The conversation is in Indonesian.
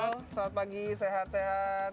halo selamat pagi sehat sehat